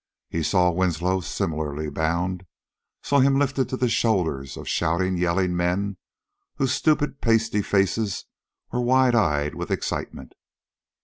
He saw Winslow similarly bound, saw him lifted to the shoulders of shouting, yelling men, whose stupid, pasty faces were wide eyed with excitement.